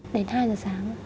đến hai giờ sáng ạ